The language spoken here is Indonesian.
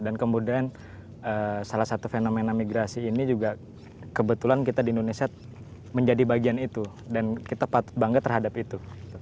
dan kemudian salah satu fenomena migrasi ini juga kebetulan kita di indonesia menjadi bagian itu dan kita patut bangga terhadap itu